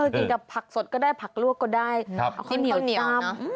กินกับผักสดก็ได้ผักลวกก็ได้เอาข้าวเหนียวดำ